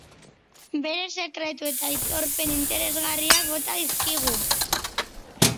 Bere sekretu eta aitorpen interesgarriak bota dizkigu.